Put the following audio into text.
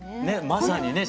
まさにね